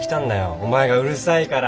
お前がうるさいから。